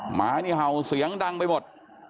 หมานี่เห่าเสียงดังไปหมด